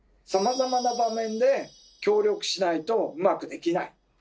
さまざまな場面で協力しないとうまくできない。